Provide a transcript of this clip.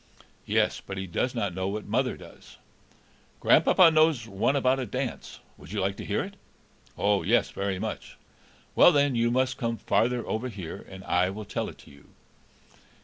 "Yes, but he does not know what mother does." "Grandpapa knows one about a dance. Would you like to hear it?" "Yes, very much." "Well, then, you must come farther over here, and I will tell it to you."